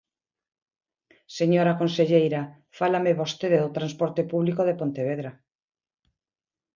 Señora conselleira, fálame vostede do transporte público de Pontevedra.